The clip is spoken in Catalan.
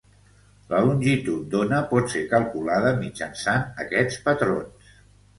La longitud d'ona pot ser calculada mitjançant aquests patrons.